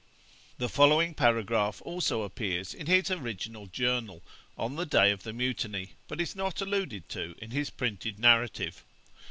The following paragraph also appears in his original journal, on the day of the mutiny, but is not alluded to in his printed narrative.